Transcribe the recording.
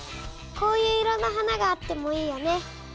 こういう色の花があってもいいよね。